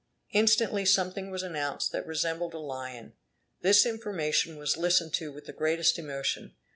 Instantly something was announced that resembled a lion. This information was listened to with the greatest emotion.